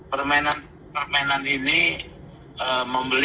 permainan permainan itu tidak bisa diadakan lagi